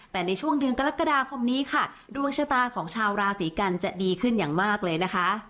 แต่ในช่วงเดือนกรกฎาคมนี้ค่ะดวงชะตาของชาวราศีกันจะดีขึ้นอย่างมากเลยนะคะ